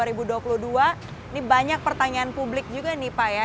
ini banyak pertanyaan publik juga nih pak ya